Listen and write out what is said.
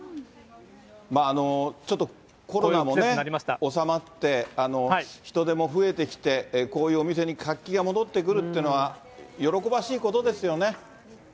まあ、ちょっとコロナもね、収まって、人出も増えてきて、こういうお店に活気が戻ってくるというのは、喜ばしいことですよね。